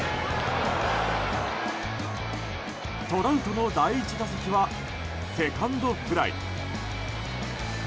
トラウトの第１打席はセカンドフライ。